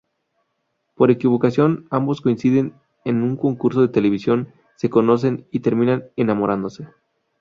Por equivocación, ambos coinciden en un concurso de televisión, se conocen y terminan enamorándose.